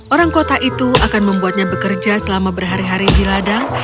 orang kota itu akan membuatnya bekerja selama berhari hari di ladang